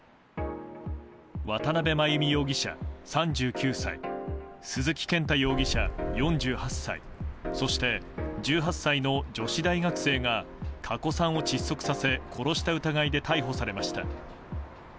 渡邉真由美容疑者、３９歳鈴木健太容疑者、４８歳そして１８歳の女子大学生が加古さんを窒息させ殺した疑いで逮捕されました。